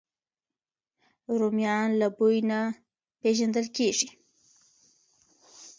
رومیان له بوی نه پېژندل کېږي